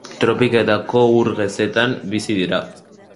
Tropikoetako ur gezetan bizi dira.